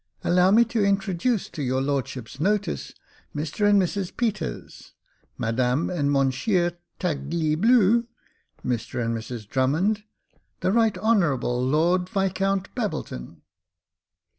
Allow me to introduce to your lordship's notice, Mr and Mrs Peters — Madame and Mounsheer Tagleebue — Mr and Mrs Drummond, the Right Honourable Lord Viscount Babbleton."